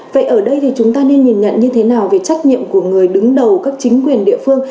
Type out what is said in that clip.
vậy ở đây thì chúng ta nên nhìn nhận như thế nào về trách nhiệm của người đứng đầu các chính quyền địa phương